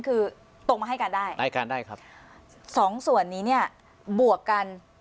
คือตรงมาให้การได้ครับสองส่วนนี้เนี่ยบวกกัน